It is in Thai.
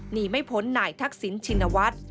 หนีไม่พ้นนายทักษิณชินวัฒน์